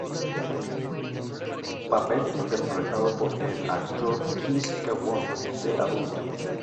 Papel interpretado por el actor Kim Kwon de adulto.